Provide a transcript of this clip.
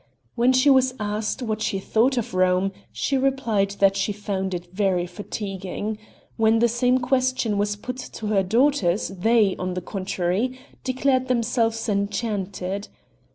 When she was asked what she thought of Rome she replied that she found it very fatiguing; when the same question was put to her daughters they, on the contrary, declared themselves enchanted.